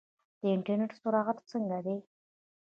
د انټرنیټ سرعت څنګه دی؟